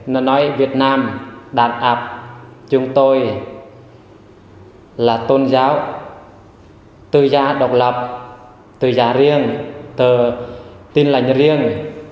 nói việt nam đàn áp chúng tôi là tôn giáo tự do độc lập tự do riêng tự tin lãnh riêng